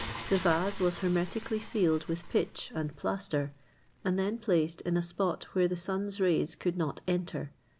The vase was hermetically sealed with pitch and plaster, and then placed in a spot where the sun's rays could not enter.